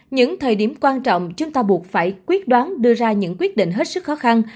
những thời điểm quan trọng chúng ta buộc phải quyết đoán đưa ra những quyết định hết sức khó khăn